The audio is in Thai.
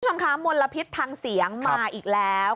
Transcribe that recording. คุณผู้ชมคะมลพิษทางเสียงมาอีกแล้ว